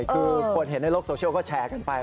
คือคนเห็นในโลกโซเชียลก็แชร์กันไป